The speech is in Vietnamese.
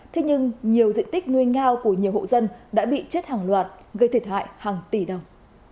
thế nhưng nhiều diện tích nuôi ngao của nhiều hộ dân đã bị chết hàng loạt gây thiệt hại hàng tỷ đồng